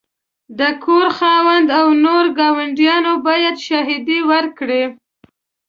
د کور خاوند او نور ګاونډیان باید شاهدي ورکړي.